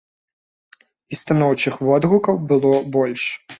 І станоўчых водгукаў было больш.